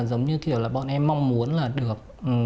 giống như kiểu là bọn em mong muốn là được